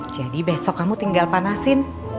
jadi besok kamu tinggal panasin